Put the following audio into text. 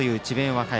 和歌山。